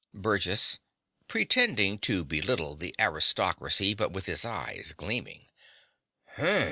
BURGESS (pretending to belittle the aristocracy, but with his eyes gleaming).